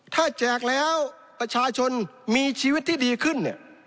ถ้าแจกแล้วประชาชนมีชีวิตที่ดีขึ้นเนี่ย